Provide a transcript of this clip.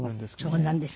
そうなんですね。